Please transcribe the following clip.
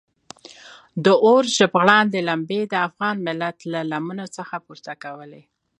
د اور ژبغړاندې لمبې د افغان ملت له لمنو څخه پورته کولې.